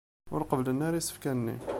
Ur qebblen ara isefka-nni.